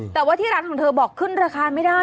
แต่ว่าที่ร้านของเธอบอกขึ้นราคาไม่ได้